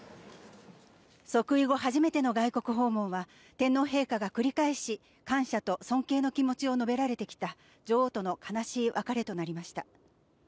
即位後、初めての外国訪問は天皇陛下が繰り返し感謝と尊敬の気持ちを述べられてきた女王との悲しい別れとなりました。